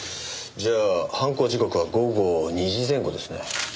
じゃあ犯行時刻は午後２時前後ですね。